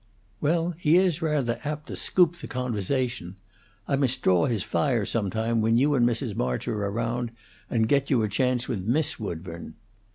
"Well, he is rather apt to scoop the conversation. I must draw his fire, sometime, when you and Mrs. March are around, and get you a chance with Miss Woodburn."